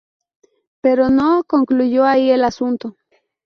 Pero no concluyó ahí el asunto.